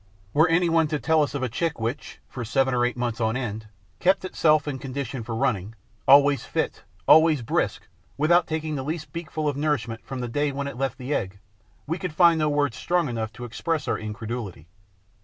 Were any one to tell us of a chick which, for seven or eight months on end, kept itself in condition for running, always fit, always brisk, without taking the least beakful of nourishment from the day when it left the egg, we could find no words strong enough to express our incredulity.